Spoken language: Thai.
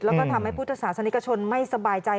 แล้วก็ทำให้พุทธศาสนิกชนไม่สบายใจ